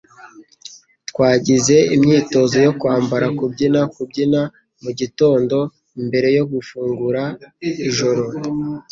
Twagize imyitozo yo kwambara kubyina kubyina mugitondo mbere yo gufungura ijoro.